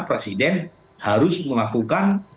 presiden harus melakukan